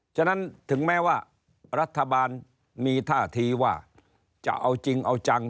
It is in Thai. ฉะนั้นถึงแม้ว่ารัฐบาลมีท่าทีว่าจะเอาจริงเอาจัง